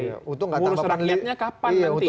pengurus rakyatnya kapan nanti